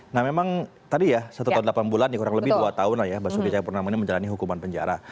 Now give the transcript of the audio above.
nah memang tadi ya satu tahun delapan bulan ya kurang lebih dua tahun lah ya basuki cahayapurnama ini menjalani hukuman penjara